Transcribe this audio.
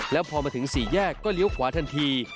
แล้วพอมาถึงสี่แยกก็เลี้ยวขวาทันที